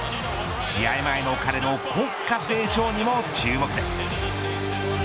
試合前の彼の国歌斉唱にも注目です。